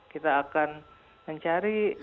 kita akan mencari